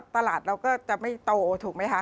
ตลาดเราก็จะไม่โตถูกไหมคะ